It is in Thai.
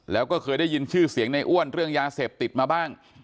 แล้วก็เคยได้ยินชื่อเสียงในอ้วนเรื่องยาเสพติดมาบ้าง